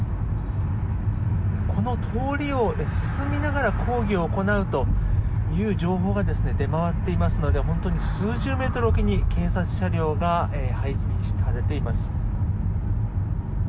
この通りを進みながら抗議を行うという情報が出回っていますので本当に数十メートルおきに警察車両が配備されています。